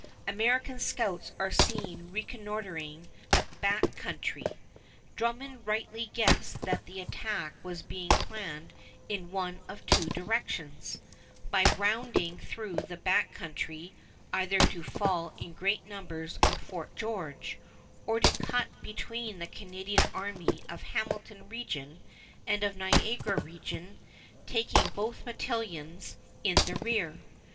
American scouts are seen reconnoitering the Back Country. Drummond rightly guessed that the attack was being planned in one of two directions, by rounding through the Back Country, either to fall in great numbers on Fort George, or to cut between the Canadian army of Hamilton region and of Niagara region, taking both battalions in the rear.